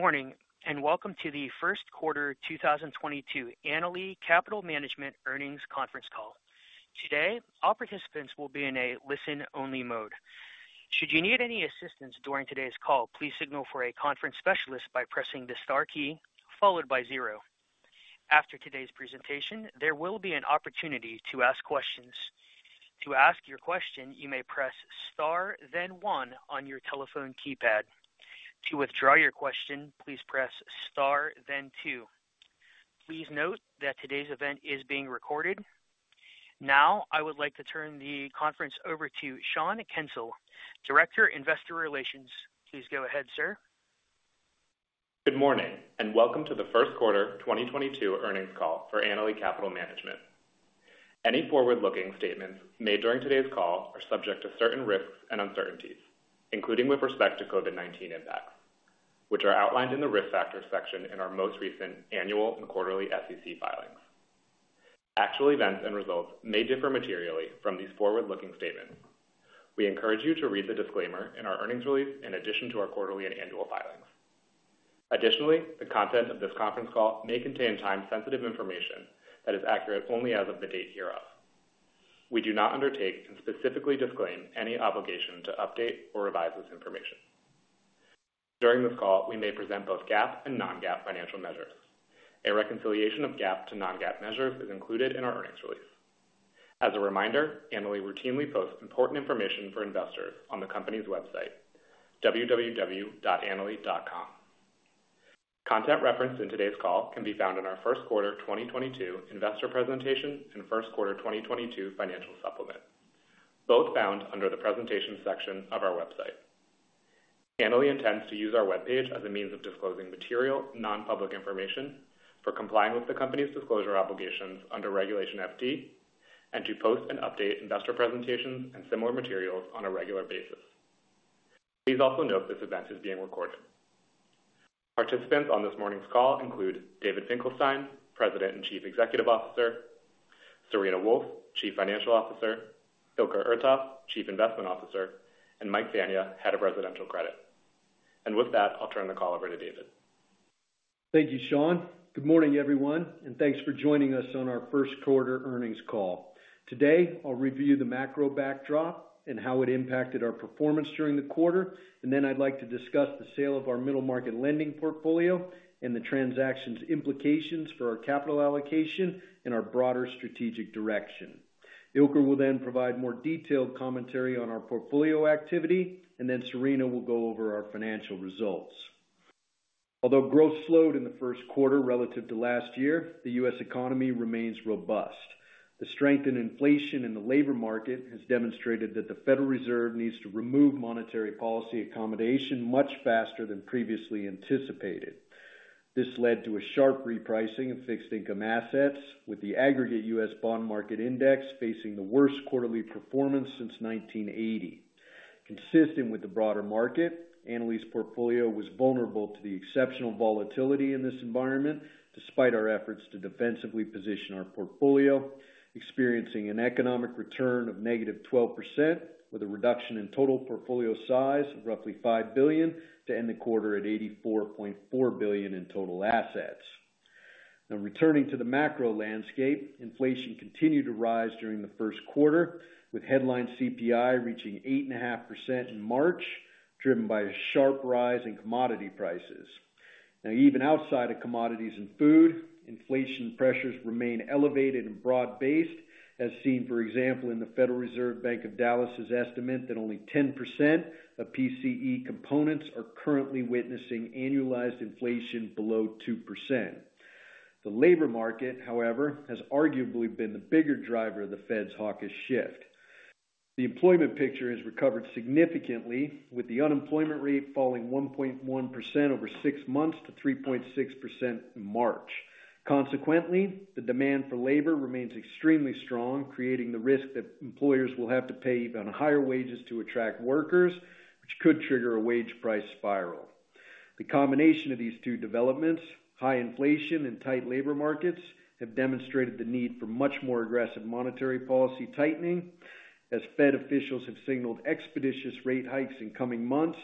Good morning, and welcome to the Q1 2022 Annaly Capital Management earnings conference call. Today, all participants will be in a listen-only mode. Should you need any assistance during today's call, please signal for a conference specialist by pressing the star key followed by zero. After today's presentation, there will be an opportunity to ask questions. To ask your question, you may press star then one on your telephone keypad. To withdraw your question, please press star then two. Please note that today's event is being recorded. Now, I would like to turn the conference over to Sean Kensil, Director, Investor Relations. Please go ahead, sir. Good morning, and welcome to the Q1 2022 earnings call for Annaly Capital Management. Any forward-looking statements made during today's call are subject to certain risks and uncertainties, including with respect to COVID-19 impacts, which are outlined in the Risk Factors section in our most recent annual and quarterly SEC filings. Actual events and results may differ materially from these forward-looking statements. We encourage you to read the disclaimer in our earnings release in addition to our quarterly and annual filings. Additionally, the content of this conference call may contain time-sensitive information that is accurate only as of the date hereof. We do not undertake and specifically disclaim any obligation to update or revise this information. During this call, we may present both GAAP and non-GAAP financial measures. A reconciliation of GAAP to non-GAAP measures is included in our earnings release. As a reminder, Annaly routinely posts important information for investors on the company's website, www.annaly.com. Content referenced in today's call can be found in our Q1 2022 investor presentation and Q1 2022 financial supplement, both found under the Presentation section of our website. Annaly intends to use our webpage as a means of disclosing material non-public information for complying with the company's disclosure obligations under Regulation FD, and to post and update investor presentations and similar materials on a regular basis. Please also note this event is being recorded. Participants on this morning's call include David Finkelstein, President and Chief Executive Officer; Serena Wolfe, Chief Financial Officer; Ilker Ertas, Chief Investment Officer; and Mike Fania, Head of Residential Credit. With that, I'll turn the call over to David. Thank you, Sean. Good morning, everyone, and thanks for joining us on our Q1 earnings call. Today, I'll review the macro backdrop and how it impacted our performance during the quarter. I'd like to discuss the sale of our middle market lending portfolio and the transaction's implications for our capital allocation and our broader strategic direction. Ilker will then provide more detailed commentary on our portfolio activity, and then Serena will go over our financial results. Although growth slowed in the Q1 relative to last year, the U.S. economy remains robust. The strength in inflation in the labor market has demonstrated that the Federal Reserve needs to remove monetary policy accommodation much faster than previously anticipated. This led to a sharp repricing of fixed income assets, with the aggregate U.S. bond market index facing the worst quarterly performance since 1980. Consistent with the broader market, Annaly's portfolio was vulnerable to the exceptional volatility in this environment, despite our efforts to defensively position our portfolio, experiencing an economic return of -12%, with a reduction in total portfolio size of roughly $5 billion to end the quarter at $84.4 billion in total assets. Now returning to the macro landscape, inflation continued to rise during the Q1, with headline CPI reaching 8.5% in March, driven by a sharp rise in commodity prices. Now even outside of commodities and food, inflation pressures remain elevated and broad-based, as seen, for example, in the Federal Reserve Bank of Dallas's estimate that only 10% of PCE components are currently witnessing annualized inflation below 2%. The labor market, however, has arguably been the bigger driver of the Fed's hawkish shift. The employment picture has recovered significantly, with the unemployment rate falling 1.1% over six months to 3.6% in March. Consequently, the demand for labor remains extremely strong, creating the risk that employers will have to pay even higher wages to attract workers, which could trigger a wage price spiral. The combination of these two developments, high inflation and tight labor markets, have demonstrated the need for much more aggressive monetary policy tightening. As Fed officials have signaled expeditious rate hikes in coming months,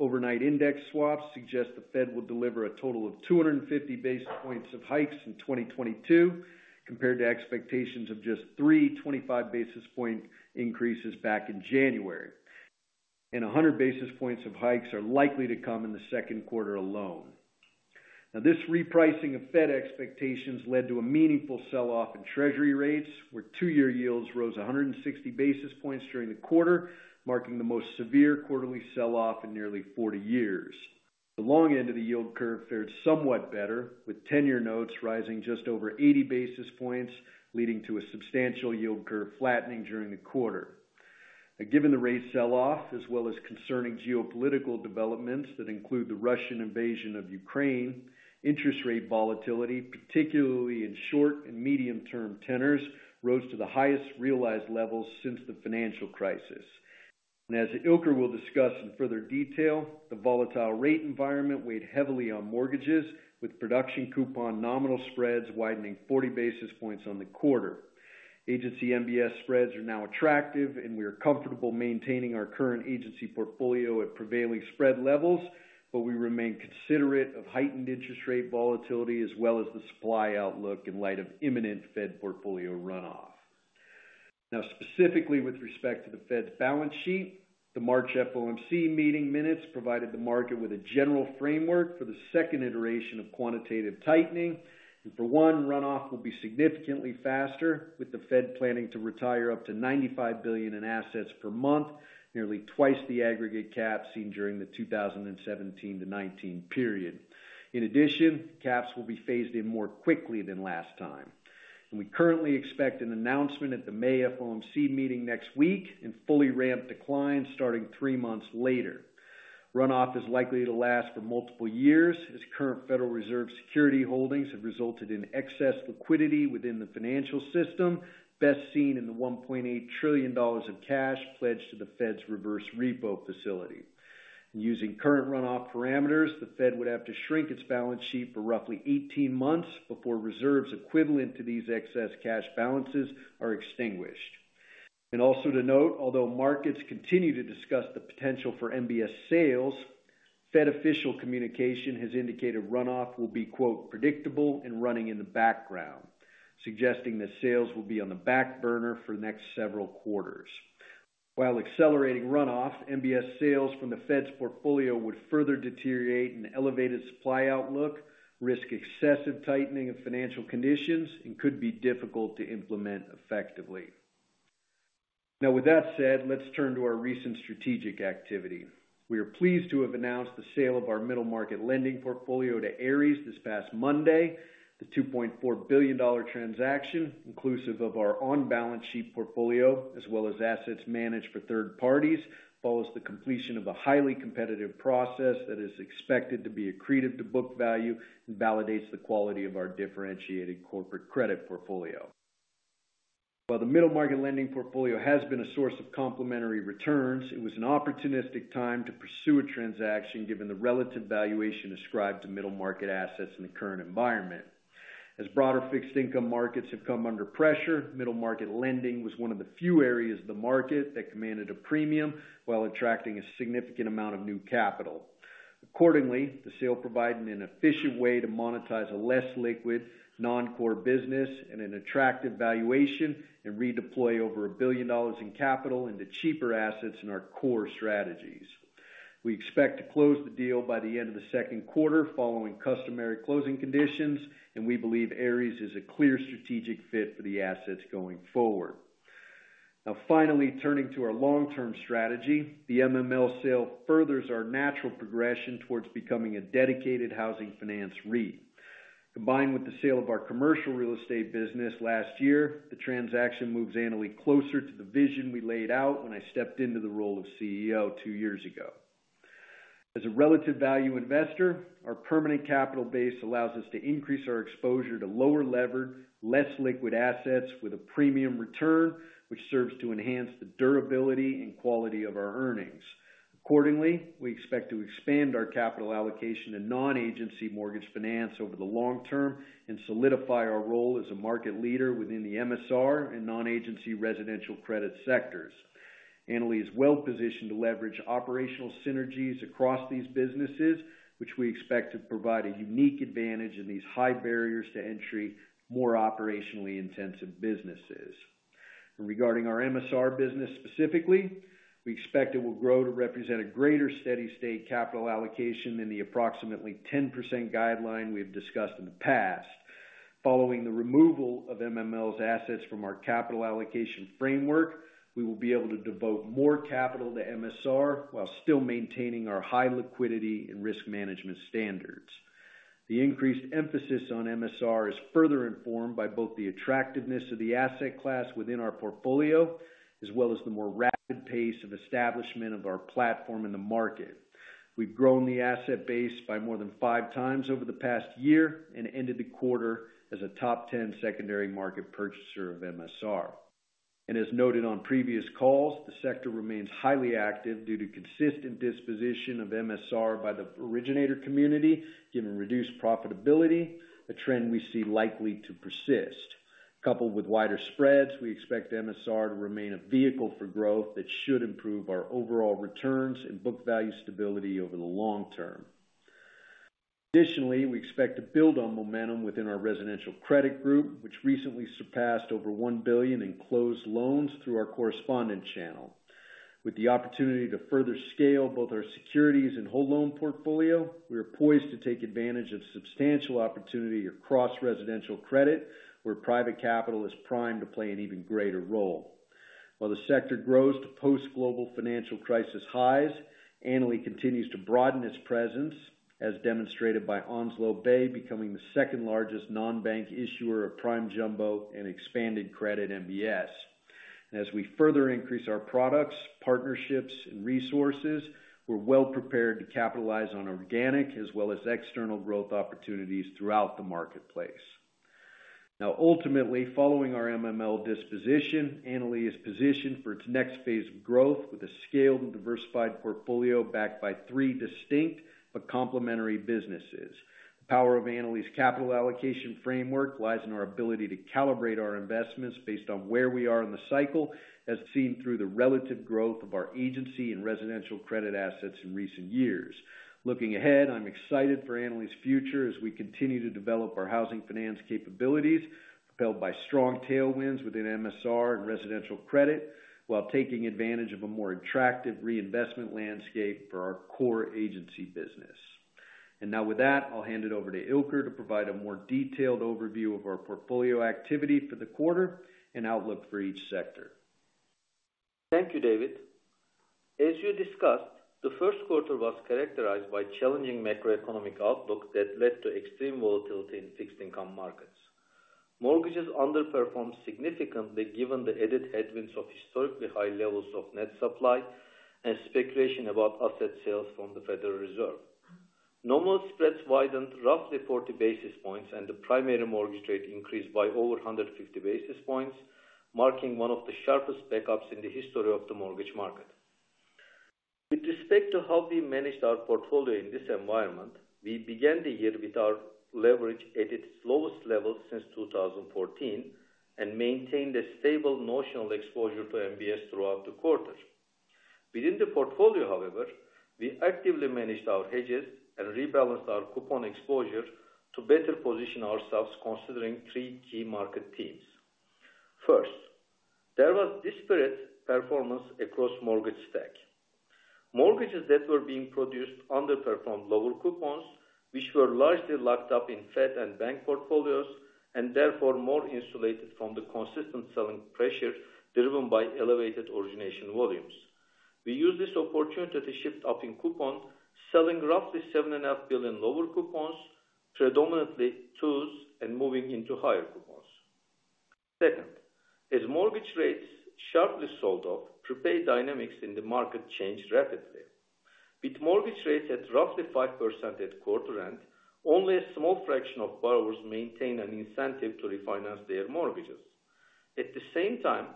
overnight index swaps suggest the Fed will deliver a total of 250 basis points of hikes in 2022, compared to expectations of just three 25 basis point increases back in January. A hundred basis points of hikes are likely to come in the Q2 alone. Now this repricing of Fed expectations led to a meaningful sell-off in Treasury rates, where two-year yields rose 160 basis points during the quarter, marking the most severe quarterly sell-off in nearly 40 years. The long end of the yield curve fared somewhat better, with ten-year notes rising just over 80 basis points, leading to a substantial yield curve flattening during the quarter. Given the rate sell-off, as well as concerning geopolitical developments that include the Russian invasion of Ukraine, interest rate volatility, particularly in short and medium-term tenors, rose to the highest realized levels since the financial crisis. As Ilker will discuss in further detail, the volatile rate environment weighed heavily on mortgages with production coupon nominal spreads widening 40 basis points on the quarter. Agency MBS spreads are now attractive and we are comfortable maintaining our current agency portfolio at prevailing spread levels, but we remain considerate of heightened interest rate volatility as well as the supply outlook in light of imminent Fed portfolio runoff. Now, specifically with respect to the Fed's balance sheet, the March FOMC meeting minutes provided the market with a general framework for the second iteration of quantitative tightening. For one, runoff will be significantly faster, with the Fed planning to retire up to $95 billion in assets per month, nearly twice the aggregate cap seen during the 2017-2019 period. In addition, caps will be phased in more quickly than last time. We currently expect an announcement at the May FOMC meeting next week and fully ramp decline starting three months later. Runoff is likely to last for multiple years as current Federal Reserve security holdings have resulted in excess liquidity within the financial system, best seen in the $1.8 trillion in cash pledged to the Fed's reverse repo facility. Using current runoff parameters, the Fed would have to shrink its balance sheet for roughly 18 months before reserves equivalent to these excess cash balances are extinguished. Also to note, although markets continue to discuss the potential for MBS sales, Fed official communication has indicated runoff will be, quote, "predictable and running in the background," suggesting that sales will be on the back burner for the next several quarters. While accelerating runoffs, MBS sales from the Fed's portfolio would further deteriorate an elevated supply outlook, risk excessive tightening of financial conditions, and could be difficult to implement effectively. Now, with that said, let's turn to our recent strategic activity. We are pleased to have announced the sale of our middle market lending portfolio to Ares this past Monday. The $2.4 billion transaction, inclusive of our on-balance sheet portfolio, as well as assets managed for third parties, follows the completion of a highly competitive process that is expected to be accretive to book value and validates the quality of our differentiated corporate credit portfolio. While the middle market lending portfolio has been a source of complementary returns, it was an opportunistic time to pursue a transaction given the relative valuation ascribed to middle market assets in the current environment. As broader fixed income markets have come under pressure, middle market lending was one of the few areas of the market that commanded a premium while attracting a significant amount of new capital. Accordingly, the sale provided an efficient way to monetize a less liquid, non-core business at an attractive valuation and redeploy over $1 billion in capital into cheaper assets in our core strategies. We expect to close the deal by the end of the Q2 following customary closing conditions, and we believe Ares is a clear strategic fit for the assets going forward. Now, finally, turning to our long-term strategy, the MML sale furthers our natural progression towards becoming a dedicated housing finance REIT. Combined with the sale of our commercial real estate business last year, the transaction moves Annaly closer to the vision we laid out when I stepped into the role of CEO two years ago. As a relative value investor, our permanent capital base allows us to increase our exposure to lower levered, less liquid assets with a premium return, which serves to enhance the durability and quality of our earnings. Accordingly, we expect to expand our capital allocation in non-agency mortgage finance over the long term and solidify our role as a market leader within the MSR and non-agency residential credit sectors. Annaly is well-positioned to leverage operational synergies across these businesses, which we expect to provide a unique advantage in these high barriers to entry, more operationally intensive businesses. Regarding our MSR business specifically, we expect it will grow to represent a greater steady state capital allocation than the approximately 10% guideline we have discussed in the past. Following the removal of MML's assets from our capital allocation framework, we will be able to devote more capital to MSR while still maintaining our high liquidity and risk management standards. The increased emphasis on MSR is further informed by both the attractiveness of the asset class within our portfolio, as well as the more rapid pace of establishment of our platform in the market. We've grown the asset base by more than five times over the past year and ended the quarter as a top 10 secondary market purchaser of MSR. As noted on previous calls, the sector remains highly active due to consistent disposition of MSR by the originator community, given reduced profitability, a trend we see likely to persist. Coupled with wider spreads, we expect MSR to remain a vehicle for growth that should improve our overall returns and book value stability over the long term. Additionally, we expect to build on momentum within our residential credit group, which recently surpassed over $1 billion in closed loans through our correspondent channel. With the opportunity to further scale both our securities and whole loan portfolio, we are poised to take advantage of substantial opportunity across residential credit, where private capital is primed to play an even greater role. While the sector grows to post global financial crisis highs, Annaly continues to broaden its presence, as demonstrated by Onslow Bay becoming the second-largest non-bank issuer of prime jumbo and expanded credit MBS. As we further increase our products, partnerships and resources, we're well prepared to capitalize on organic as well as external growth opportunities throughout the marketplace. Now ultimately, following our MML disposition, Annaly is positioned for its next phase of growth with a scaled and diversified portfolio backed by three distinct but complementary businesses. The power of Annaly's capital allocation framework lies in our ability to calibrate our investments based on where we are in the cycle, as seen through the relative growth of our agency and residential credit assets in recent years. Looking ahead, I'm excited for Annaly's future as we continue to develop our housing finance capabilities, propelled by strong tailwinds within MSR and residential credit, while taking advantage of a more attractive reinvestment landscape for our core agency business. Now with that, I'll hand it over to Ilker to provide a more detailed overview of our portfolio activity for the quarter and outlook for each sector. Thank you, David. As you discussed, the Q1 was characterized by challenging macroeconomic outlook that led to extreme volatility in fixed income markets. Mortgages underperformed significantly given the added headwinds of historically high levels of net supply and speculation about asset sales from the Federal Reserve. Nominal spreads widened roughly 40 basis points, and the primary mortgage rate increased by over 150 basis points, marking one of the sharpest backups in the history of the mortgage market. With respect to how we managed our portfolio in this environment, we began the year with our leverage at its lowest level since 2014 and maintained a stable notional exposure to MBS throughout the quarter. Within the portfolio, however, we actively managed our hedges and rebalanced our coupon exposure to better position ourselves considering three key market themes. First, there was disparate performance across mortgage stack. Mortgages that were being produced underperformed lower coupons, which were largely locked up in Fed and bank portfolios, and therefore more insulated from the consistent selling pressure driven by elevated origination volumes. We used this opportunity to shift up in coupon, selling roughly $7.5 billion lower coupons, predominantly twos, and moving into higher coupons. Second, as mortgage rates sharply sold off, prepaid dynamics in the market changed rapidly. With mortgage rates at roughly 5% at quarter end, only a small fraction of borrowers maintain an incentive to refinance their mortgages. At the same time,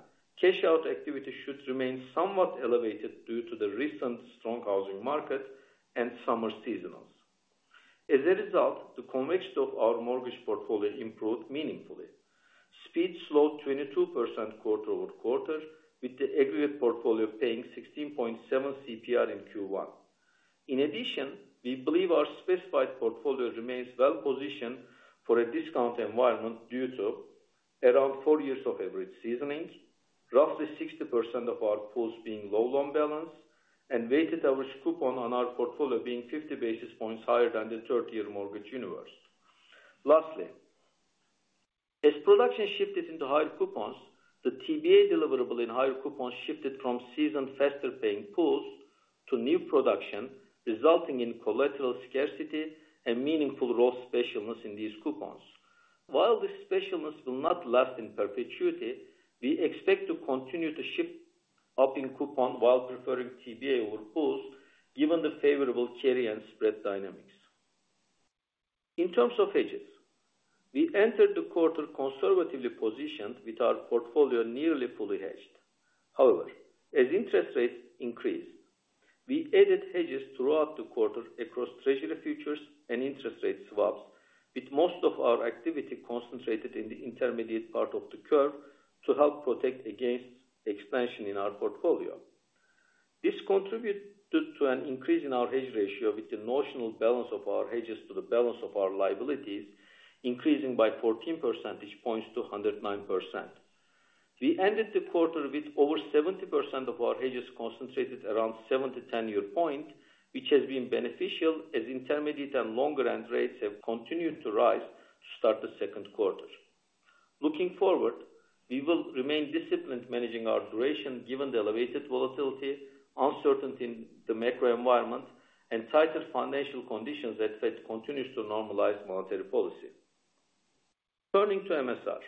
cash out activity should remain somewhat elevated due to the recent strong housing market and summer seasonals. As a result, the conviction of our mortgage portfolio improved meaningfully. Speed slowed 22% quarter-over-quarter, with the aggregate portfolio paying 16.7 CPR in Q1. In addition, we believe our specified portfolio remains well-positioned for a discount environment due to around four years of average seasonings, roughly 60% of our pools being low loan balance, and weighted average coupon on our portfolio being 50 basis points higher than the 30-year mortgage universe. Lastly, as production shifted into higher coupons, the TBA deliverable in higher coupons shifted from seasoned faster paying pools to new production, resulting in collateral scarcity and meaningful rich specialness in these coupons. While this specialness will not last in perpetuity, we expect to continue to step up in coupon while preferring TBA over pools, given the favorable carry and spread dynamics. In terms of hedges, we entered the quarter conservatively positioned with our portfolio nearly fully hedged. However, as interest rates increased, we added hedges throughout the quarter across Treasury futures and interest rate swaps, with most of our activity concentrated in the intermediate part of the curve to help protect against expansion in our portfolio. This contributed to an increase in our hedge ratio with the notional balance of our hedges to the balance of our liabilities increasing by 14 percentage points to 109%. We ended the quarter with over 70% of our hedges concentrated around the seven to 10-year point, which has been beneficial as intermediate and longer end rates have continued to rise to start the Q2. Looking forward, we will remain disciplined managing our duration given the elevated volatility, uncertainty in the macro environment, and tighter financial conditions as Fed continues to normalize monetary policy. Turning to MSR,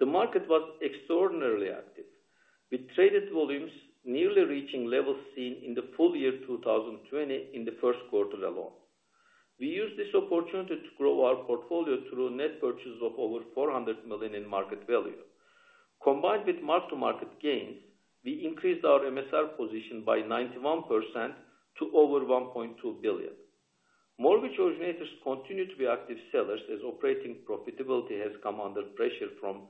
the market was extraordinarily active, with traded volumes nearly reaching levels seen in the full year 2020 in the Q1 alone. We used this opportunity to grow our portfolio through net purchase of over $400 million in market value. Combined with mark-to-market gains, we increased our MSR position by 91% to over $1.2 billion. Mortgage originators continue to be active sellers as operating profitability has come under pressure from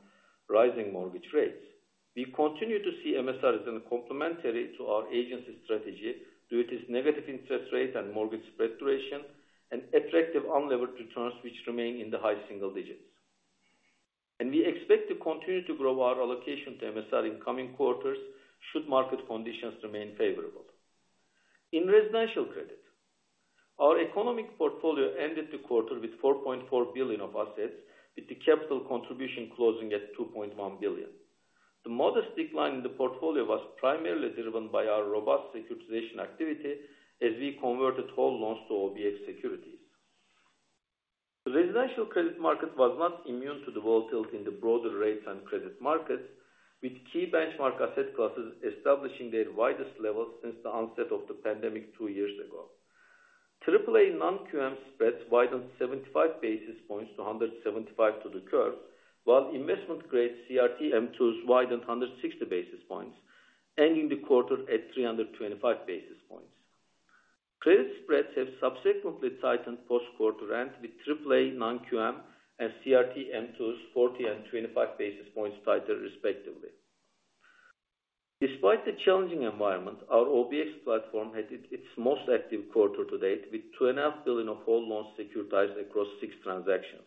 rising mortgage rates. We continue to see MSR as being complementary to our agency strategy due to its negative interest rate and mortgage spread duration and attractive unlevered returns, which remain in the high single digits. We expect to continue to grow our allocation to MSR in coming quarters should market conditions remain favorable. In residential credit, our economic portfolio ended the quarter with $4.4 billion of assets, with the capital contribution closing at $2.1 billion. The modest decline in the portfolio was primarily driven by our robust securitization activity as we converted whole loans to OBX securities. The residential credit market was not immune to the volatility in the broader rates and credit markets, with key benchmark asset classes establishing their widest levels since the onset of the pandemic two years ago. Triple A non-QM spreads widened 75 basis points to 175 to the curve, while investment grade CRT M twos widened 160 basis points, ending the quarter at 325 basis points. Credit spreads have subsequently tightened post-quarter end with triple A non-QM and CRT M twos 40 and 25 basis points tighter respectively. Despite the challenging environment, our OBX platform had its most active quarter to date with $2.5 billion of whole loans securitized across six transactions.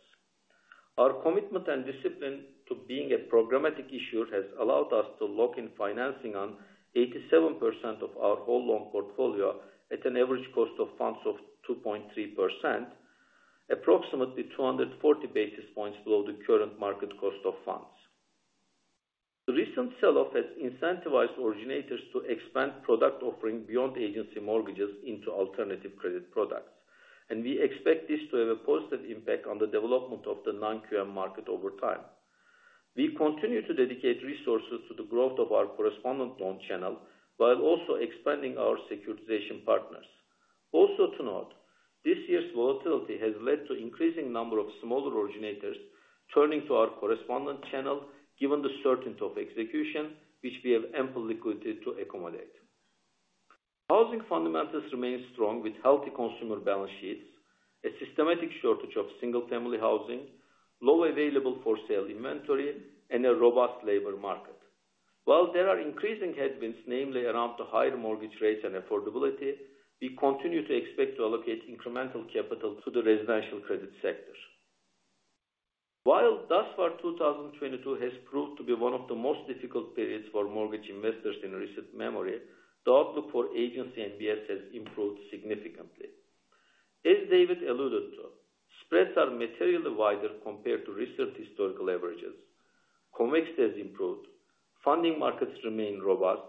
Our commitment and discipline to being a programmatic issuer has allowed us to lock in financing on 87% of our whole loan portfolio at an average cost of funds of 2.3%, approximately 240 basis points below the current market cost of funds. The recent sell-off has incentivized originators to expand product offering beyond agency mortgages into alternative credit products, and we expect this to have a positive impact on the development of the non-QM market over time. We continue to dedicate resources to the growth of our correspondent loan channel while also expanding our securitization partners. Also to note, this year's volatility has led to increasing number of smaller originators turning to our correspondent channel given the certainty of execution, which we have ample liquidity to accommodate. Housing fundamentals remain strong with healthy consumer balance sheets, a systemic shortage of single-family housing, low available for sale inventory, and a robust labor market. While there are increasing headwinds, namely around the higher mortgage rates and affordability, we continue to expect to allocate incremental capital to the residential credit sector. While thus far, 2022 has proved to be one of the most difficult periods for mortgage investors in recent memory, the outlook for agency MBS has improved significantly. As David alluded to, spreads are materially wider compared to recent historical averages. Convex has improved, funding markets remain robust,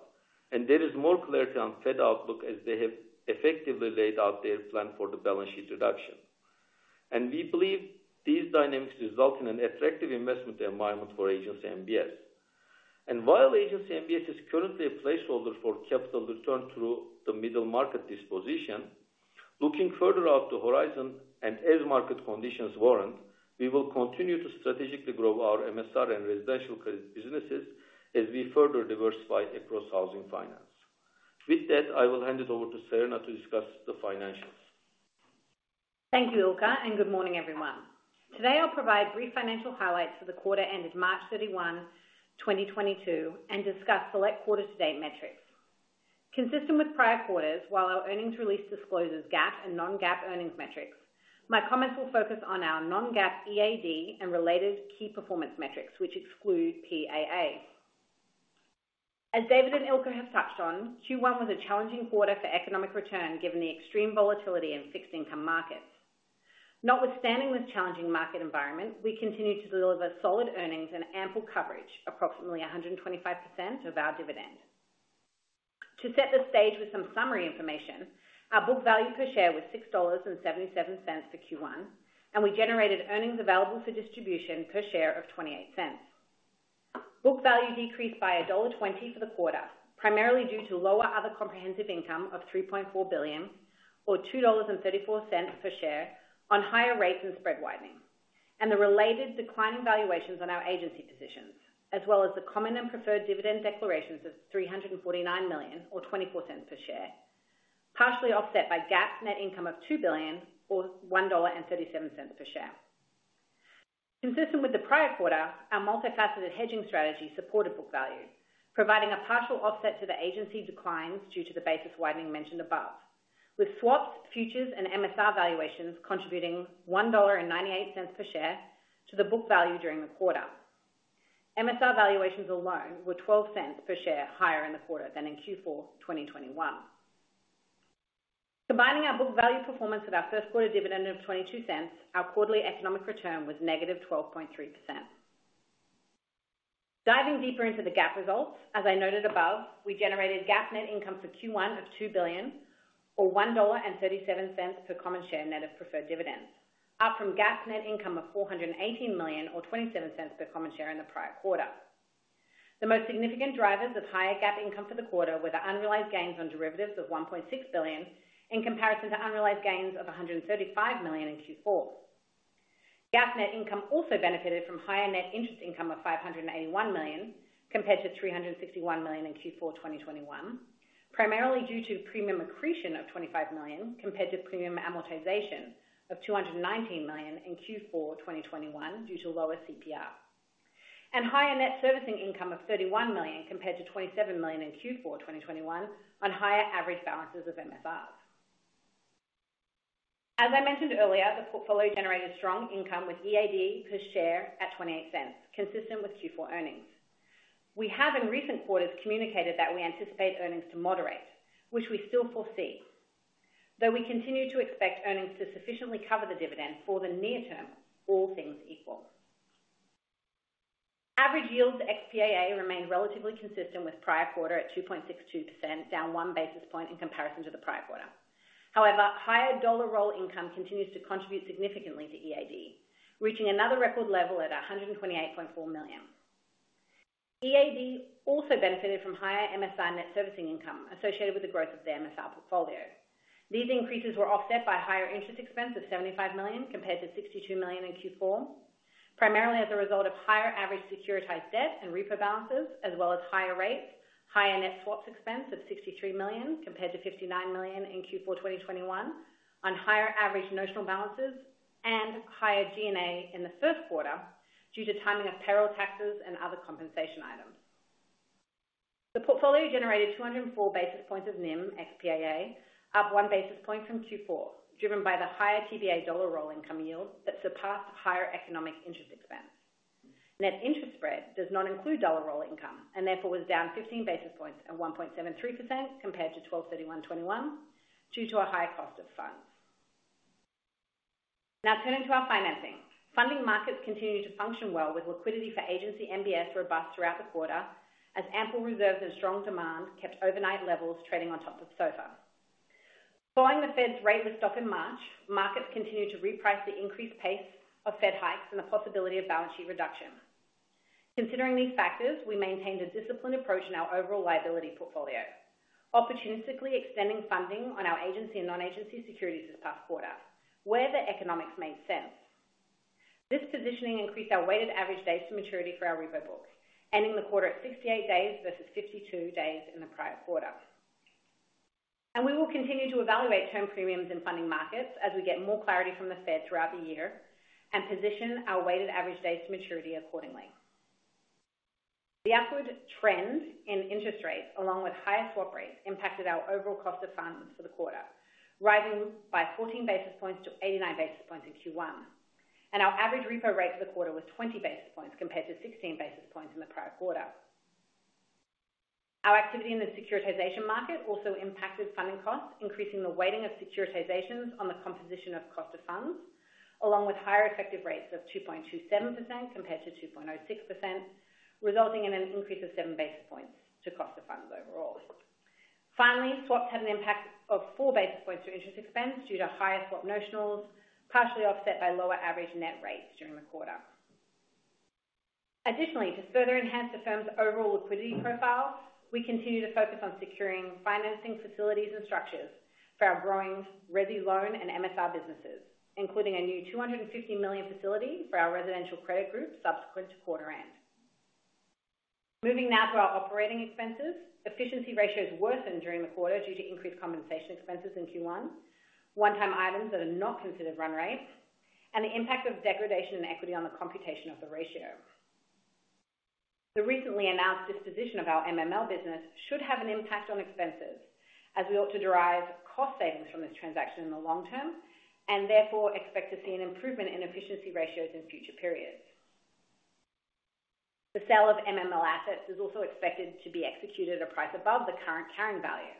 and there is more clarity on Fed outlook as they have effectively laid out their plan for the balance sheet reduction. We believe these dynamics result in an attractive investment environment for Agency MBS. While Agency MBS is currently a placeholder for capital return through the middle market disposition, looking further out to horizon and as market conditions warrant, we will continue to strategically grow our MSR and Residential Credit businesses as we further diversify across housing finance. With that, I will hand it over to Serena to discuss the financials. Thank you, Ilker, and good morning, everyone. Today, I'll provide brief financial highlights for the quarter end of March 31, 2022, and discuss select quarter to date metrics. Consistent with prior quarters, while our earnings release discloses GAAP and non-GAAP earnings metrics, my comments will focus on our non-GAAP EAD and related key performance metrics, which exclude PAA. As David and Ilker have touched on, Q1 was a challenging quarter for economic return given the extreme volatility in fixed income markets. Notwithstanding this challenging market environment, we continue to deliver solid earnings and ample coverage, approximately 125% of our dividend. To set the stage with some summary information, our book value per share was $6.77 for Q1, and we generated earnings available for distribution per share of $0.28. Book value decreased by $1.20 for the quarter, primarily due to lower other comprehensive income of $3.4 billion or $2.34 per share on higher rates and spread widening. The related declining valuations on our agency positions, as well as the common and preferred dividend declarations of $349 million or $0.24 per share, partially offset by GAAP's net income of $2 billion or $1.37 per share. Consistent with the prior quarter, our multifaceted hedging strategy supported book value, providing a partial offset to the agency declines due to the basis widening mentioned above. With swaps, futures, and MSR valuations contributing $1.98 per share to the book value during the quarter. MSR valuations alone were $0.12 per share higher in the quarter than in Q4 2021. Combining our book value performance with our Q1 dividend of $0.22, our quarterly economic return was -12.3%. Diving deeper into the GAAP results, as I noted above, we generated GAAP net income for Q1 of $2 billion or $1.37 per common share net of preferred dividends, up from GAAP net income of $418 million or $0.27 per common share in the prior quarter. The most significant drivers of higher GAAP income for the quarter were the unrealized gains on derivatives of $1.6 billion, in comparison to unrealized gains of $135 million in Q4 2021. GAAP net income also benefited from higher net interest income of $581 million, compared to $361 million in Q4 2021. Primarily due to premium accretion of $25 million, compared to premium amortization of $219 million in Q4 2021 due to lower CPR. Higher net servicing income of $31 million compared to $27 million in Q4 2021 on higher average balances of MSRs. As I mentioned earlier, the portfolio generated strong income with EAD per share at $0.28, consistent with Q4 earnings. We have in recent quarters communicated that we anticipate earnings to moderate, which we still foresee. Though we continue to expect earnings to sufficiently cover the dividend for the near term, all things equal. Average yields ex PAA remained relatively consistent with prior quarter at 2.62%, down 1 basis point in comparison to the prior quarter. However, higher dollar roll income continues to contribute significantly to EAD, reaching another record level at $128.4 million. EAD also benefited from higher MSR net servicing income associated with the growth of the MSR portfolio. These increases were offset by higher interest expense of $75 million compared to $62 million in Q4 primarily as a result of higher average securitized debt and repo balances as well as higher rates, higher net swaps expense of $63 million compared to $59 million in Q4 2021 on higher average notional balances and higher G&A in the Q1 due to timing of payroll taxes and other compensation items. The portfolio generated 204 basis points of NIM ex PAA, up 1 basis point from Q4, driven by the higher TBA dollar roll income yield that surpassed higher economic interest expense. Net interest spread does not include dollar roll income and therefore was down 15 basis points at 1.73% compared to 12/31/2021 due to a higher cost of funds. Now turning to our financing. Funding markets continue to function well with liquidity for Agency MBS robust throughout the quarter as ample reserves and strong demand kept overnight levels trading on top of SOFR. Following the Fed's rate hike in March, markets continued to reprice the increased pace of Fed hikes and the possibility of balance sheet reduction. Considering these factors, we maintained a disciplined approach in our overall liability portfolio, opportunistically extending funding on our agency and non-agency securities this past quarter where the economics made sense. This positioning increased our weighted average days to maturity for our repo book, ending the quarter at 68 days versus 52 days in the prior quarter. We will continue to evaluate term premiums in funding markets as we get more clarity from the Fed throughout the year and position our weighted average days to maturity accordingly. The upward trend in interest rates, along with higher swap rates, impacted our overall cost of funds for the quarter, rising by 14 basis points to 89 basis points in Q1. Our average repo rate for the quarter was 20 basis points compared to 16 basis points in the prior quarter. Our activity in the securitization market also impacted funding costs, increasing the weighting of securitizations on the composition of cost of funds, along with higher effective rates of 2.27% compared to 2.06%, resulting in an increase of 7 basis points to cost of funds overall. Finally, swaps had an impact of four basis points to interest expense due to higher swap notionals, partially offset by lower average net rates during the quarter. Additionally, to further enhance the firm's overall liquidity profile, we continue to focus on securing financing facilities and structures for our growing resi loan and MSR businesses, including a new $250 million facility for our residential credit group subsequent to quarter end. Moving now to our operating expenses. Efficiency ratios worsened during the quarter due to increased compensation expenses in Q1, one-time items that are not considered run rates, and the impact of degradation in equity on the computation of the ratio. The recently announced disposition of our MML business should have an impact on expenses as we ought to derive cost savings from this transaction in the long term and therefore expect to see an improvement in efficiency ratios in future periods. The sale of MML assets is also expected to be executed at a price above the current carrying value,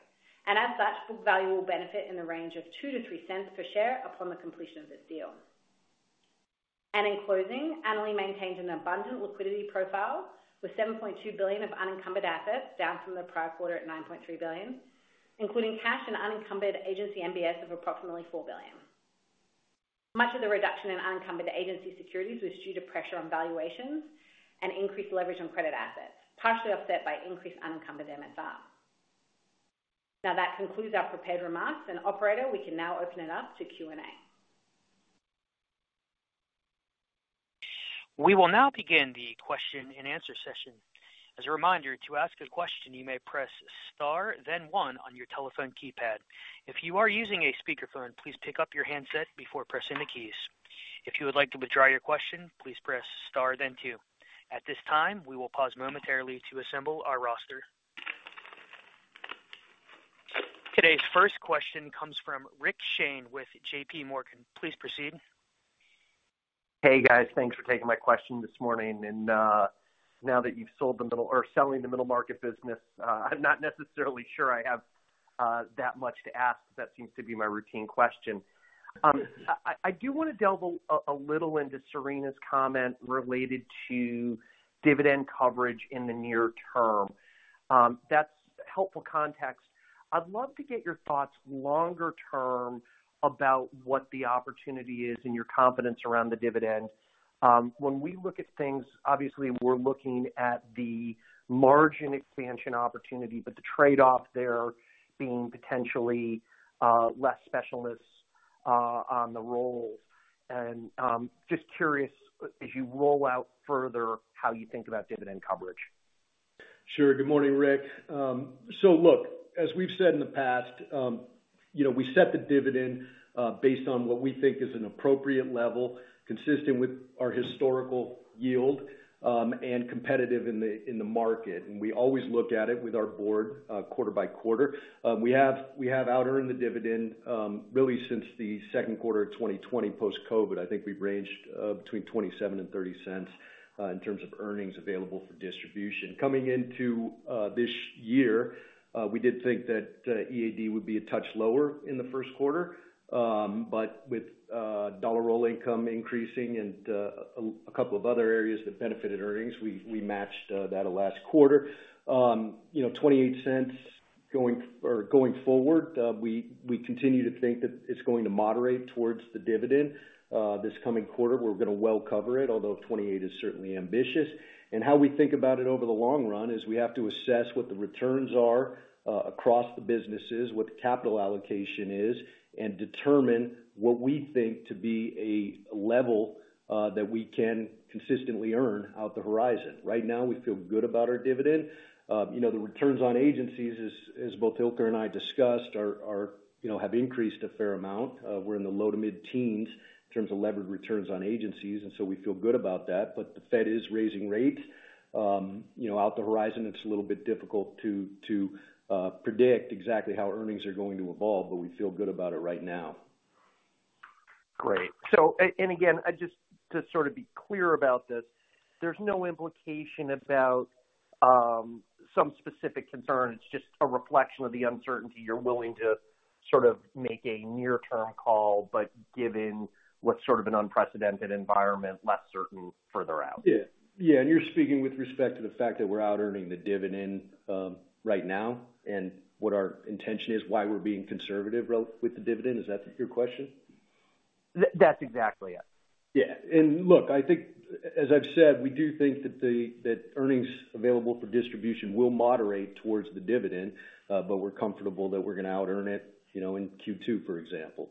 and as such, book value will benefit in the range of $0.02-$0.03 per share upon the completion of this deal. In closing, Annaly maintains an abundant liquidity profile with $7.2 billion of unencumbered assets down from the prior quarter at $9.3 billion, including cash and unencumbered agency MBS of approximately $4 billion. Much of the reduction in unencumbered agency securities was due to pressure on valuations and increased leverage on credit assets, partially offset by increased unencumbered MSR. Now that concludes our prepared remarks, and operator, we can now open it up to Q&A. We will now begin the question and answer session. As a reminder, to ask a question, you may press star then one on your telephone keypad. If you are using a speakerphone, please pick up your handset before pressing the keys. If you would like to withdraw your question, please press star then two. At this time, we will pause momentarily to assemble our roster. Today's first question comes from Richard Shane with JPMorgan. Please proceed. Hey, guys. Thanks for taking my question this morning. Now that you've sold the middle or selling the middle market business, I'm not necessarily sure I have that much to ask, but that seems to be my routine question. I do wanna delve a little into Serena's comment related to dividend coverage in the near term. That's helpful context. I'd love to get your thoughts longer term about what the opportunity is and your confidence around the dividend. When we look at things, obviously we're looking at the margin expansion opportunity, but the trade-off there being potentially less specialness on the roll. Just curious as you roll out further, how you think about dividend coverage. Sure. Good morning, Ric. Look, as we've said in the past, you know, we set the dividend based on what we think is an appropriate level consistent with our historical yield and competitive in the market. We always look at it with our board quarter by quarter. We have outearned the dividend really since the Q2 of 2020 post-COVID. I think we've ranged between $0.27 and $0.30 in terms of earnings available for distribution. Coming into this year, we did think that EAD would be a touch lower in the Q1. With dollar roll income increasing and a couple of other areas that benefited earnings, we matched that last quarter. You know, $0.28 Going forward, we continue to think that it's going to moderate towards the dividend. This coming quarter we're gonna well cover it, although 28 is certainly ambitious. How we think about it over the long run is we have to assess what the returns are across the businesses, what the capital allocation is, and determine what we think to be a level that we can consistently earn out the horizon. Right now, we feel good about our dividend. You know, the returns on agencies as both Ilker and I discussed are, you know, have increased a fair amount. We're in the low to mid-teens in terms of levered returns on agencies, and so we feel good about that. The Fed is raising rates. You know, over the horizon, it's a little bit difficult to predict exactly how earnings are going to evolve, but we feel good about it right now. Great. And again, I just want to sort of be clear about this, there's no implication about some specific concerns, just a reflection of the uncertainty. You're willing to sort of make a near term call, but given what sort of an unprecedented environment, less certain further out. Yeah. Yeah, you're speaking with respect to the fact that we're out earning the dividend, right now and what our intention is, why we're being conservative with the dividend. Is that your question? That's exactly it. Yeah. Look, I think as I've said, we do think that earnings available for distribution will moderate towards the dividend, but we're comfortable that we're gonna out earn it, you know, in Q2, for example.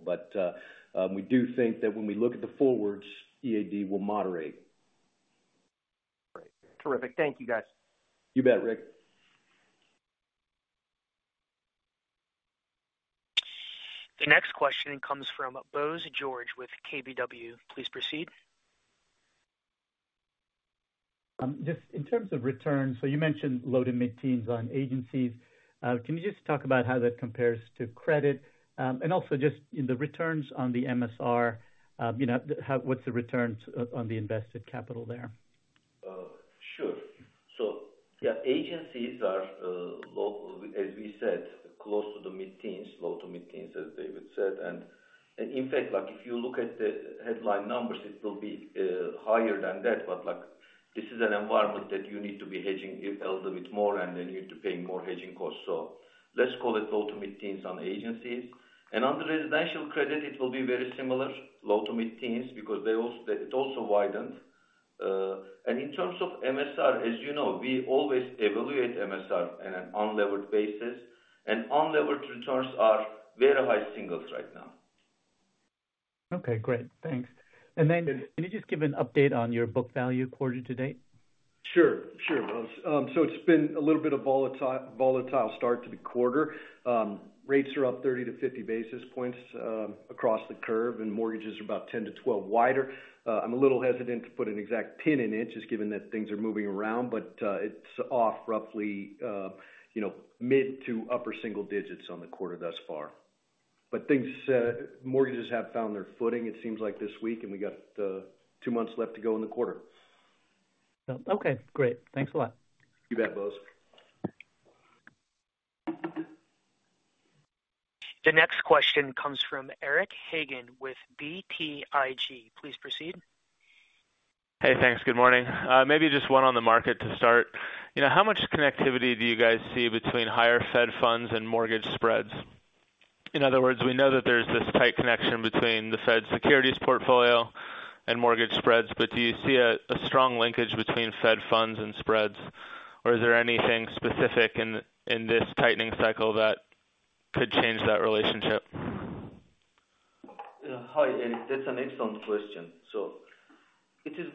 We do think that when we look at the forwards, EAD will moderate. Great. Terrific. Thank you, guys. You bet, Ric. The next question comes from Bose George with KBW. Please proceed. Just in terms of returns, you mentioned low to mid-teens on agencies. Can you just talk about how that compares to credit? Also just in the returns on the MSR, you know, what's the returns on the invested capital there? Sure. Yeah, agencies are low, as we said, close to the mid-teens, low to mid-teens, as David said. In fact, like, if you look at the headline numbers, it will be higher than that. Like this is an environment that you need to be hedging a little bit more, and then you need to pay more hedging costs. Let's call it low to mid-teens on agencies. On the Residential Credit, it will be very similar, low to mid-teens because it also widened. In terms of MSR, as you know, we always evaluate MSR on an unlevered basis, and unlevered returns are very high singles right now. Okay, great. Thanks. Can you just give an update on your book value quarter to date? Sure, Bose. It's been a little bit of volatile start to the quarter. Rates are up 30-50 basis points across the curve and mortgages are about 10-12 wider. I'm a little hesitant to put an exact pin in it just given that things are moving around, but it's off roughly, you know, mid to upper single digits on the quarter thus far. Mortgages have found their footing it seems like this week, and we got two months left to go in the quarter. Okay, great. Thanks a lot. You bet, Bose. The next question comes from Eric Hagen with BTIG. Please proceed. Hey, thanks. Good morning. Maybe just one on the market to start. You know, how much connectivity do you guys see between higher Fed funds and mortgage spreads? In other words, we know that there's this tight connection between the Fed securities portfolio and mortgage spreads, but do you see a strong linkage between Fed funds and spreads, or is there anything specific in this tightening cycle that could change that relationship? Yeah. Hi, Eric. That's an excellent question. It is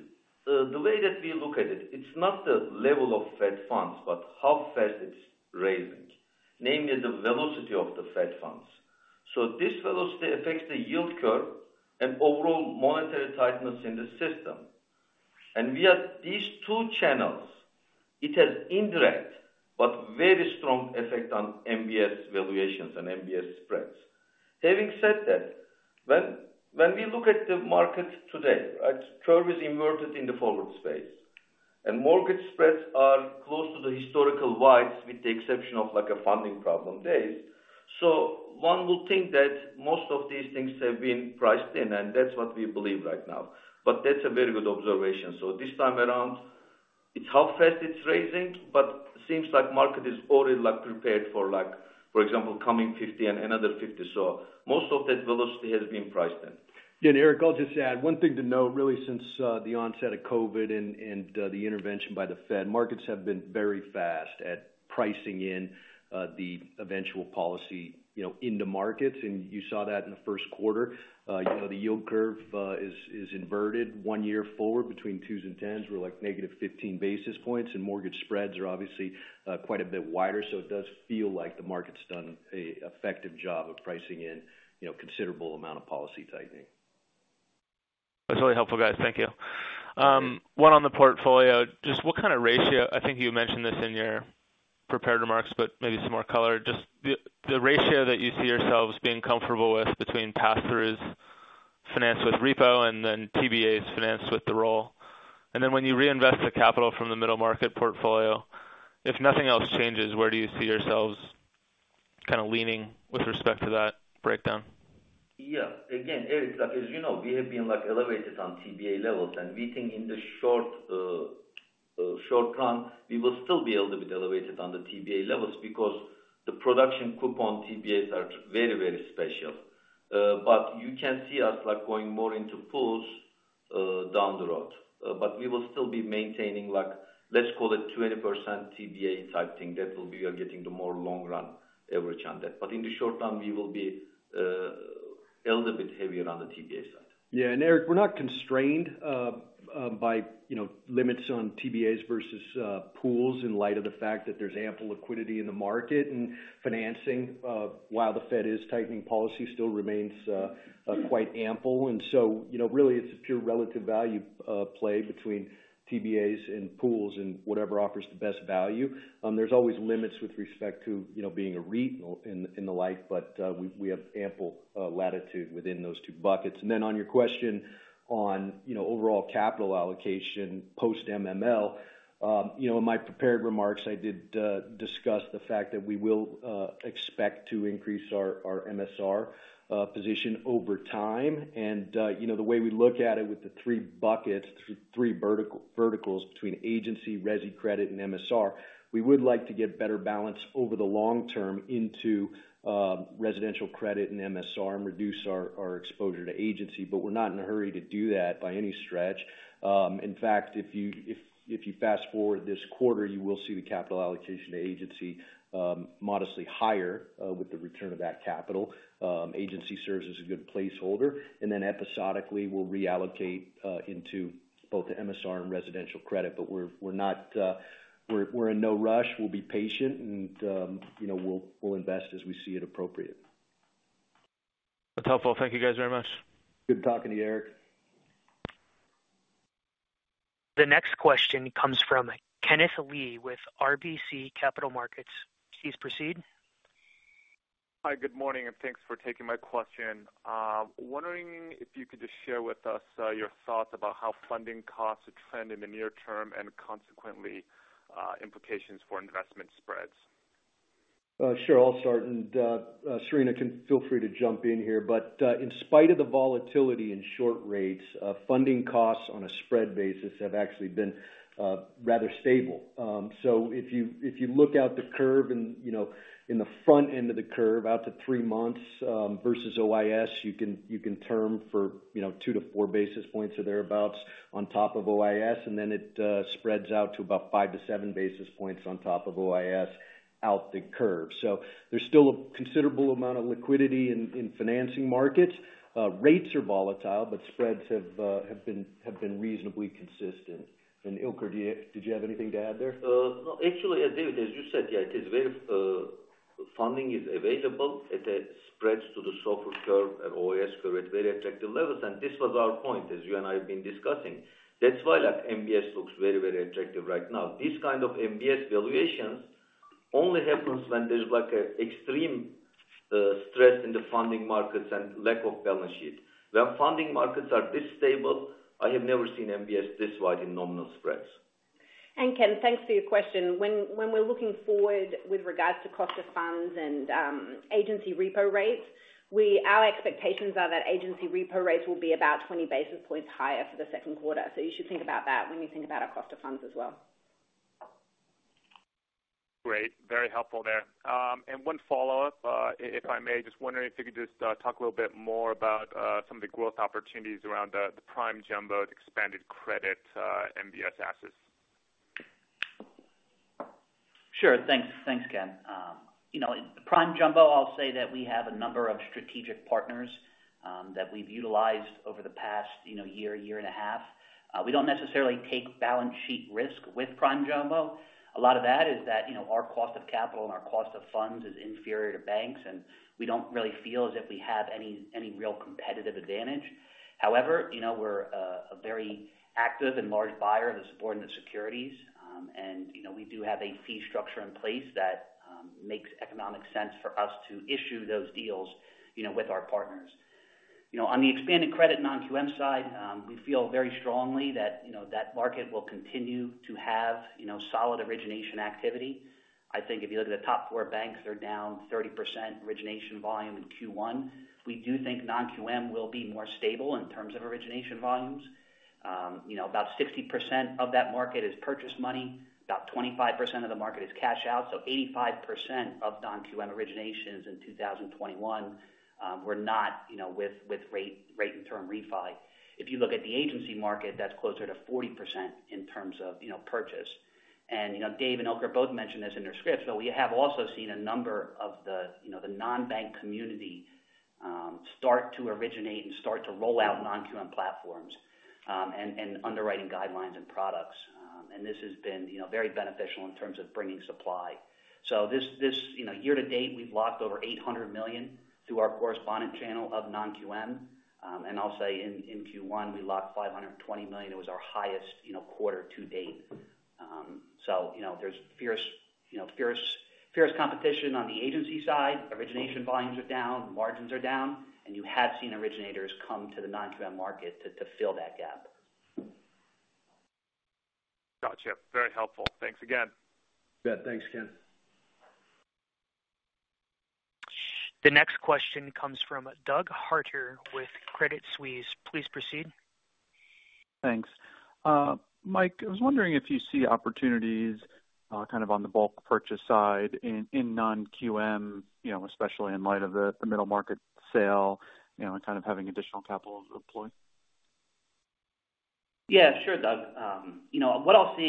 the way that we look at it's not the level of Fed funds, but how fast it's raising, namely the velocity of the Fed funds. This velocity affects the yield curve and overall monetary tightness in the system. We have these two channels. It has indirect but very strong effect on MBS valuations and MBS spreads. Having said that, when we look at the market today, right? Curve is inverted in the forward space, and mortgage spreads are close to the historical wides with the exception of like a funding problem days. One would think that most of these things have been priced in, and that's what we believe right now. That's a very good observation. This time around, it's how fast it's raising, but seems like market is already like prepared for like, for example, coming 50 and another 50. Most of that velocity has been priced in. Yeah, Eric, I'll just add one thing to note really since the onset of COVID and the intervention by the Fed, markets have been very fast at pricing in the eventual policy, you know, in the markets, and you saw that in the Q1. You know, the yield curve is inverted one year forward between twos and tens. We're like negative 15 basis points, and mortgage spreads are obviously quite a bit wider. It does feel like the market's done an effective job of pricing in, you know, considerable amount of policy tightening. That's really helpful, guys. Thank you. One on the portfolio. Just what kind of ratio, I think you mentioned this in your prepared remarks, but maybe some more color. Just the ratio that you see yourselves being comfortable with between pass-throughs financed with repo and then TBAs financed with the roll. When you reinvest the capital from the middle market portfolio, if nothing else changes, where do you see yourselves kind of leaning with respect to that breakdown? Yeah. Again, Eric, like as you know, we have been like elevated on TBA levels. We think in the short run, we will still be able to be elevated on the TBA levels because the production coupon TBAs are very, very special. But you can see us like going more into pools down the road. But we will still be maintaining like, let's call it 20% TBA type thing. That will be we are getting the more long run average on that. But in the short term, we will be a little bit heavier on the TBA side. Yeah. Eric, we're not constrained by, you know, limits on TBAs versus pools in light of the fact that there's ample liquidity in the market. Financing while the Fed is tightening policy still remains quite ample. You know, really it's a pure relative value play between TBAs and pools and whatever offers the best value. There's always limits with respect to, you know, being a REIT or in the like, but we have ample latitude within those two buckets. On your question on, you know, overall capital allocation post MML, you know, in my prepared remarks, I did discuss the fact that we will expect to increase our MSR position over time. You know, the way we look at it with the three buckets, three verticals between Agency, residential credit, and MSR, we would like to get better balance over the long term into residential credit and MSR and reduce our exposure to Agency. But we're not in a hurry to do that by any stretch. In fact, if you fast-forward this quarter, you will see the capital allocation to Agency modestly higher with the return of that capital. Agency serves as a good placeholder. Then episodically we'll reallocate into both the MSR and residential credit. But we're not, we're in no rush. We'll be patient, and you know, we'll invest as we see it appropriate. That's helpful. Thank you guys very much. Good talking to you, Eric. The next question comes from Kenneth Lee with RBC Capital Markets. Please proceed. Hi, good morning, and thanks for taking my question. Wondering if you could just share with us your thoughts about how funding costs will trend in the near term and consequently implications for investment spreads. Sure. I'll start and Serena can feel free to jump in here. In spite of the volatility in short rates, funding costs on a spread basis have actually been rather stable. If you look out the curve and you know in the front end of the curve out to three months versus OIS you can term for you know 2-4 basis points or thereabouts on top of OIS. It spreads out to about 5-7 basis points on top of OIS out the curve. There's still a considerable amount of liquidity in financing markets. Rates are volatile, but spreads have been reasonably consistent. Ilker, do you have anything to add there? No. Actually, David, as you said, yeah, it is very favorable, funding is available at spreads to the SOFR curve and OIS curve at very attractive levels, and this was our point, as you and I have been discussing. That's why like MBS looks very, very attractive right now. This kind of MBS valuations only happens when there's like an extreme stress in the funding markets and lack of balance sheet. When funding markets are this stable, I have never seen MBS this wide in nominal spreads. Ken, thanks for your question. When we're looking forward with regards to cost of funds and agency repo rates, our expectations are that agency repo rates will be about 20 basis points higher for the Q2. You should think about that when you think about our cost of funds as well. Great. Very helpful there. One follow-up, if I may. Just wondering if you could just talk a little bit more about some of the growth opportunities around the Prime Jumbo expanded credit MBS assets. Sure. Thanks. Thanks, Ken. You know, Prime Jumbo, I'll say that we have a number of strategic partners that we've utilized over the past, you know, year and a half. We don't necessarily take balance sheet risk with Prime Jumbo. A lot of that is that, you know, our cost of capital and our cost of funds is inferior to banks, and we don't really feel as if we have any real competitive advantage. However, you know, we're a very active and large buyer of the subordinate securities. You know, we do have a fee structure in place that makes economic sense for us to issue those deals, you know, with our partners. You know, on the expanded credit non-QM side, we feel very strongly that, you know, that market will continue to have, you know, solid origination activity. I think if you look at the top four banks are down 30% origination volume in Q1. We do think non-QM will be more stable in terms of origination volumes. You know, about 60% of that market is purchase money. About 25% of the market is cash out. 85% of non-QM originations in 2021 were not, you know, with rate and term refi. If you look at the agency market, that's closer to 40% in terms of, you know, purchase. You know, Dave and Ilker both mentioned this in their scripts, but we have also seen a number of the, you know, the non-bank community start to originate and start to roll out non-QM platforms and underwriting guidelines and products. This has been, you know, very beneficial in terms of bringing supply. This, you know, year to date, we've locked over $800 million through our correspondent channel of non-QM. I'll say in Q1, we locked $520 million. It was our highest, you know, quarter to date. You know, there's fierce competition on the agency side. Origination volumes are down, margins are down. You have seen originators come to the non-QM market to fill that gap. Gotcha. Very helpful. Thanks again. Yeah, thanks, Ken. The next question comes from Doug Harter with Credit Suisse. Please proceed. Thanks. Mike, I was wondering if you see opportunities, kind of on the bulk purchase side in non-QM, you know, especially in light of the middle market sale, you know, and kind of having additional capital to deploy. Yeah, sure, Doug. You know what I'll say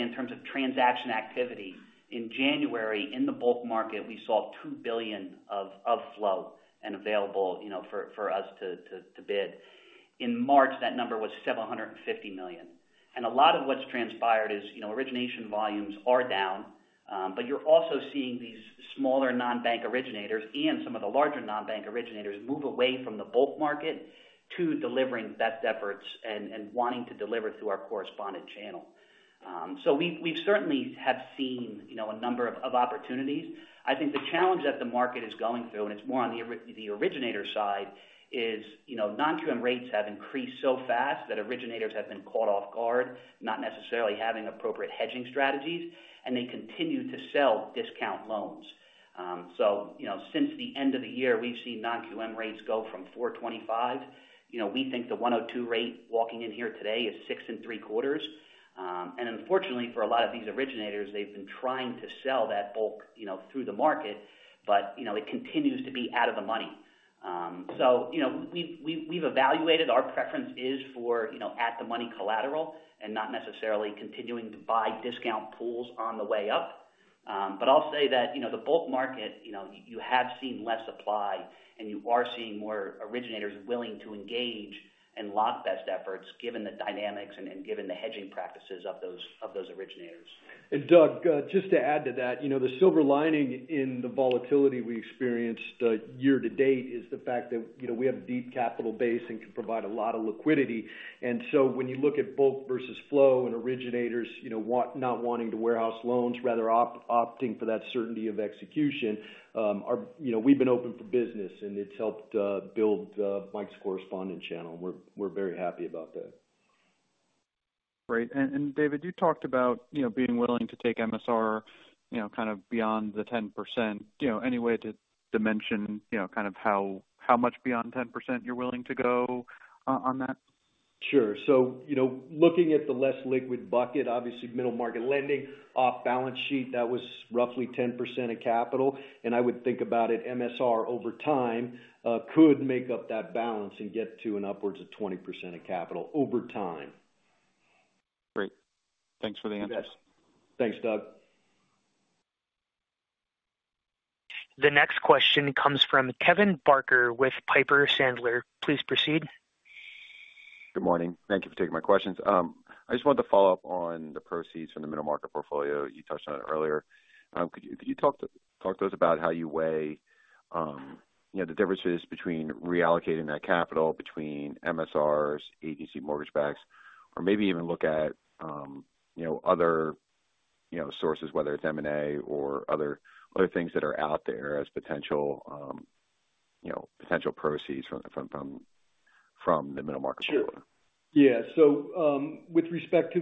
in terms of transaction activity. In January, in the bulk market, we saw $2 billion of flow and available, you know, for us to bid. In March, that number was $750 million. A lot of what's transpired is, you know, origination volumes are down, but you're also seeing these smaller non-bank originators and some of the larger non-bank originators move away from the bulk market to delivering best efforts and wanting to deliver through our correspondent channel. We've certainly have seen, you know, a number of opportunities. I think the challenge that the market is going through, and it's more on the originator side is, you know, non-QM rates have increased so fast that originators have been caught off guard, not necessarily having appropriate hedging strategies, and they continue to sell discount loans. You know, since the end of the year, we've seen non-QM rates go from 4.25. You know, we think the 102 rate walking in here today is 6.75. And unfortunately for a lot of these originators, they've been trying to sell that bulk, you know, through the market. You know, it continues to be out of the money. You know, we've evaluated our preference is for, you know, at the money collateral and not necessarily continuing to buy discount pools on the way up. I'll say that, you know, the bulk market, you know, you have seen less supply and you are seeing more originators willing to engage and lock best efforts given the dynamics and given the hedging practices of those originators. Doug, just to add to that, you know, the silver lining in the volatility we experienced year to date is the fact that, you know, we have a deep capital base and can provide a lot of liquidity. When you look at bulk versus flow and originators, you know, not wanting to warehouse loans, rather opting for that certainty of execution, our, you know, we've been open for business and it's helped build Mike's correspondent channel. We're very happy about that. Great. David, you talked about, you know, being willing to take MSR, you know, kind of beyond the 10%, you know. Any way to mention, you know, kind of how much beyond 10% you're willing to go on that? Sure. You know, looking at the less liquid bucket, obviously middle market lending off balance sheet, that was roughly 10% of capital. I would think about it, MSR over time, could make up that balance and get to an upwards of 20% of capital over time. Great. Thanks for the answer. Yes. Thanks, Doug. The next question comes from Kevin Barker with Piper Sandler. Please proceed. Good morning. Thank you for taking my questions. I just wanted to follow up on the proceeds from the MML portfolio. You touched on it earlier. Could you talk to us about how you weigh you know the differences between reallocating that capital between MSRs, Agency MBS, or maybe even look at you know other sources, whether it's M&A or other things that are out there as potential proceeds from the MML portfolio? Sure. Yeah. With respect to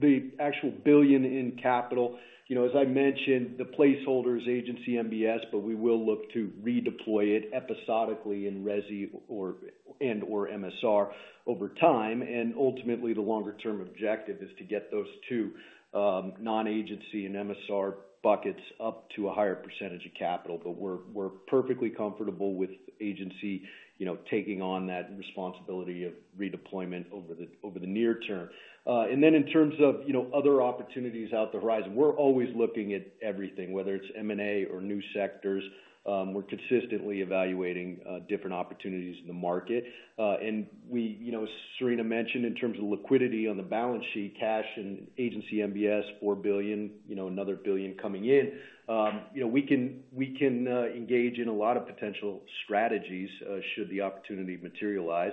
the actual $1 billion in capital, you know, as I mentioned, the placeholder is Agency MBS, but we will look to redeploy it episodically in resi or and/or MSR over time. Ultimately, the longer term objective is to get those two non-agency and MSR buckets up to a higher percentage of capital. But we're perfectly comfortable with agency, you know, taking on that responsibility of redeployment over the near term. Then in terms of, you know, other opportunities on the horizon, we're always looking at everything, whether it's M&A or new sectors. We're consistently evaluating different opportunities in the market. You know, Serena mentioned in terms of liquidity on the balance sheet, cash and Agency MBS, $4 billion, you know, another $1 billion coming in. You know, we can engage in a lot of potential strategies should the opportunity materialize.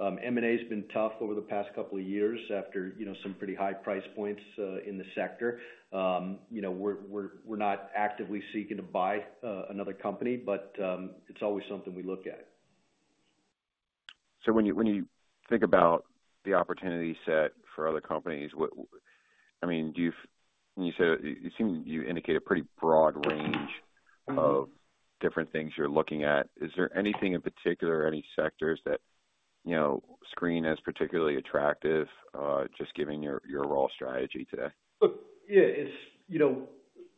M&A's been tough over the past couple of years after, you know, some pretty high price points in the sector. You know, we're not actively seeking to buy another company, but it's always something we look at. When you think about the opportunity set for other companies, I mean, when you say that, it seems you indicate a pretty broad range of different things you're looking at. Is there anything in particular, any sectors that you know, scream as particularly attractive, just given your core strategy today? Look, yeah, it's you know.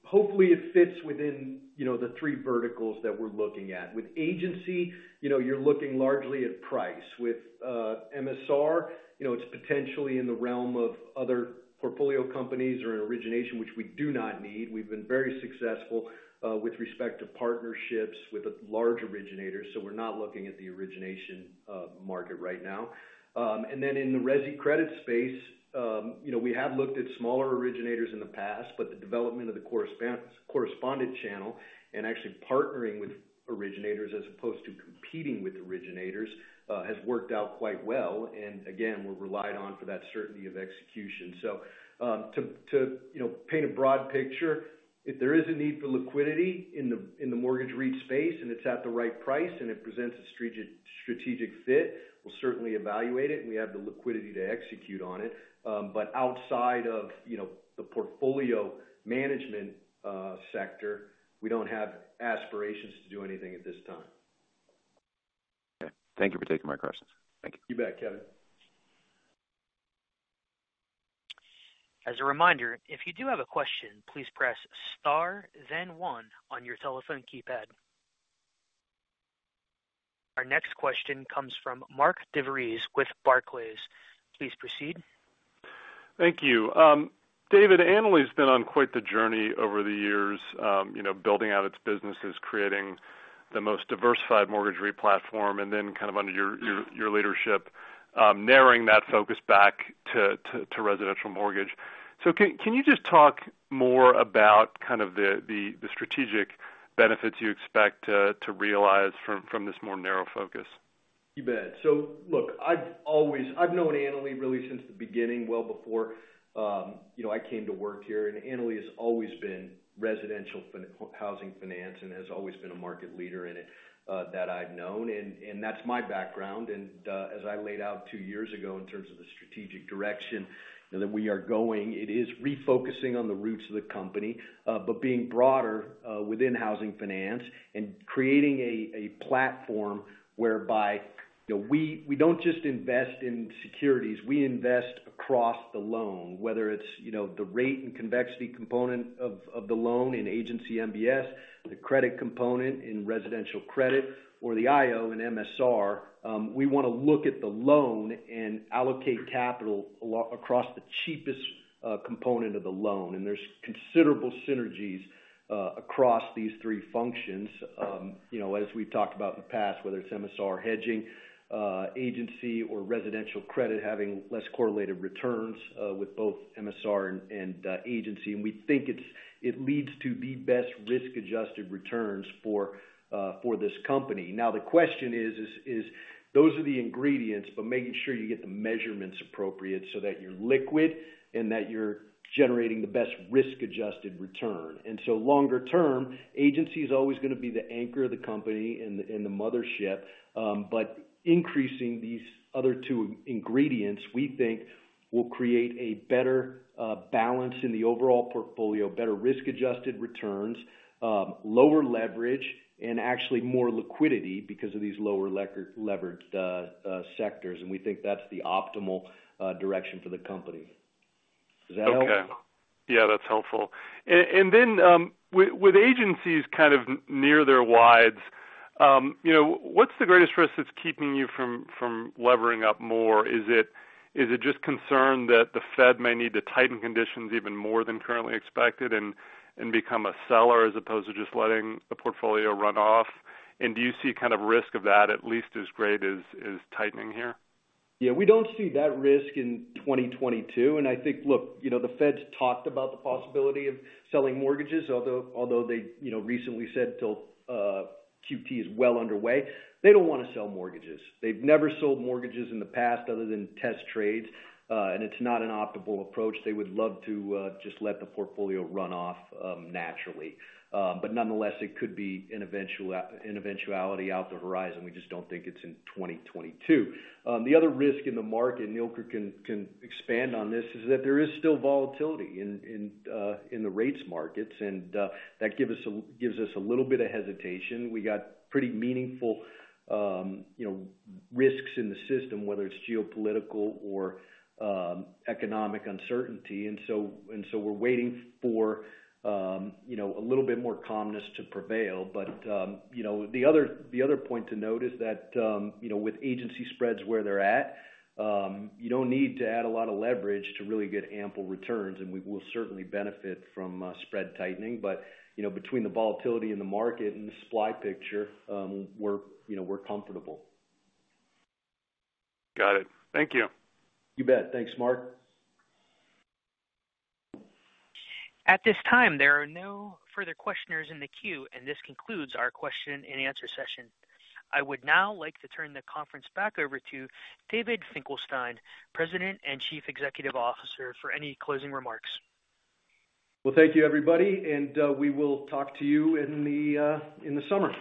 Hopefully it fits within you know the three verticals that we're looking at. With agency you know you're looking largely at price. With MSR you know it's potentially in the realm of other portfolio companies or in origination, which we do not need. We've been very successful with respect to partnerships with a large originator, so we're not looking at the origination market right now. Then in the resi credit space you know we have looked at smaller originators in the past, but the development of the correspondent channel and actually partnering with originators as opposed to competing with originators has worked out quite well. Again, we're relied on for that certainty of execution. To you know, paint a broad picture, if there is a need for liquidity in the mortgage REIT space, and it's at the right price, and it presents a strategic fit, we'll certainly evaluate it, and we have the liquidity to execute on it. But outside of you know, the portfolio management sector, we don't have aspirations to do anything at this time. Okay. Thank you for taking my questions. Thank you. You bet, Kevin. As a reminder, if you do have a question, please press Star then one on your telephone keypad. Our next question comes from Mark DeVries with Barclays. Please proceed. Thank you. David, Annaly has been on quite the journey over the years, you know, building out its businesses, creating the most diversified mortgage REIT platform, and then kind of under your leadership, narrowing that focus back to residential mortgage. Can you just talk more about kind of the strategic benefits you expect to realize from this more narrow focus? You bet. Look, I've always known Annaly really since the beginning, well before, you know, I came to work here, and Annaly has always been housing finance and has always been a market leader in it, that I've known. That's my background. As I laid out two years ago in terms of the strategic direction that we are going, it is refocusing on the roots of the company, but being broader, within housing finance and creating a platform whereby, you know, we don't just invest in securities, we invest across the loan, whether it's the rate and convexity component of the loan in Agency MBS, the credit component in Residential Credit or the IO and MSR. We want to look at the loan and allocate capital across the cheapest component of the loan. There's considerable synergies across these three functions. You know, as we've talked about in the past, whether it's MSR hedging, agency or Residential Credit having less correlated returns with both MSR and agency. We think it leads to the best risk-adjusted returns for this company. Now, the question is those are the ingredients, but making sure you get the measurements appropriate so that you're liquid and that you're generating the best risk-adjusted return. Longer term, agency is always gonna be the anchor of the company and the mothership. Increasing these other two ingredients, we think will create a better balance in the overall portfolio, better risk-adjusted returns, lower leverage, and actually more liquidity because of these lower levered sectors. We think that's the optimal direction for the company. Does that help? Okay. Yeah, that's helpful. Then, with agencies kind of near their wides, you know, what's the greatest risk that's keeping you from levering up more? Is it just concern that the Fed may need to tighten conditions even more than currently expected and become a seller as opposed to just letting the portfolio run off? Do you see kind of risk of that at least as great as is tightening here? Yeah, we don't see that risk in 2022. I think, look, you know, the Fed's talked about the possibility of selling mortgages, although they, you know, recently said until QT is well underway. They don't wanna sell mortgages. They've never sold mortgages in the past other than test trades. And it's not an optimal approach. They would love to just let the portfolio run off naturally. But nonetheless, it could be an eventuality on the horizon. We just don't think it's in 2022. The other risk in the market, and Ilker can expand on this, is that there is still volatility in the rates markets, and that gives us a little bit of hesitation. We got pretty meaningful, you know, risks in the system, whether it's geopolitical or economic uncertainty. We're waiting for, you know, a little bit more calmness to prevail. The other point to note is that, you know, with agency spreads where they're at, you don't need to add a lot of leverage to really get ample returns. We will certainly benefit from spread tightening. Between the volatility in the market and the supply picture, you know, we're comfortable. Got it. Thank you. You bet. Thanks, Mark. At this time, there are no further questioners in the queue, and this concludes our question and answer session. I would now like to turn the conference back over to David Finkelstein, President and Chief Executive Officer, for any closing remarks. Well, thank you, everybody. We will talk to you in the summer.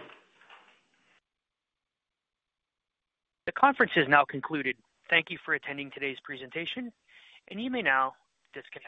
The conference is now concluded. Thank you for attending today's presentation, and you may now disconnect.